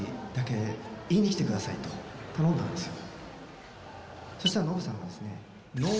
頼んだんですよ。